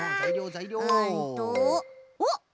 うんと。おっ！